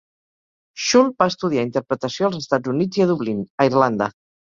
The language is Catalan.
Schull va estudiar interpretació als Estats Units i a Dublín, a Irlanda.